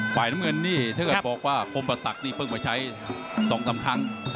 ฝ่ายน้ำเงินนี่ถ้าเกิดบอกว่าคมประตักนี่เพิ่งมาใช้๒๓ครั้ง